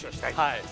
はい。